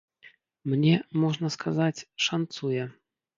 Мне, можна сказаць, шанцуе.